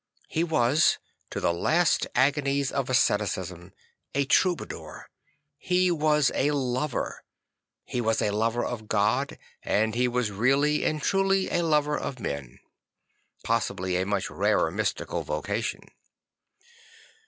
He was, to the last agonies of asceticism, a Troubadour. He was a Lover. He was a lover of God and he was really and truly a lover of men; possibly a much rarer mystical vocation.